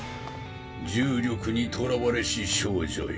重力にとらわれし少女よ。